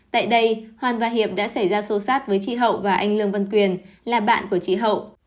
tại đây hoàn và hiệp đã xảy ra sâu sát với chị hậu và anh lương văn quyền là bạn của chị hậu